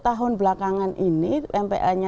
tahun belakangan ini mpa nya